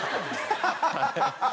ハハハハ！